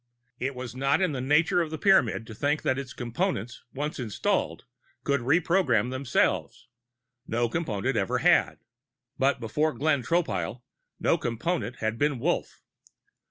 It was not in the nature of a Pyramid to think that its Components, once installed, could reprogram themselves. No Component ever had. (But before Glenn Tropile, no Component had been Wolf.)